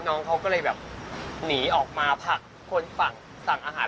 น้องเขาก็เลยแบบหนีออกมาผลักคนสั่งอาหาร